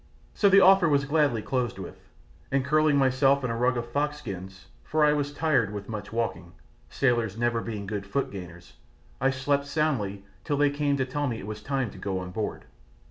So the offer was gladly closed with, and curling myself in a rug of foxskins, for I was tired with much walking, sailors never being good foot gangers, I slept soundly fill they came to tell me it was time to go on board.